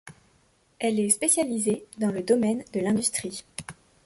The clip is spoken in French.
Elle est spécialisée dans le domaine de l'industrie.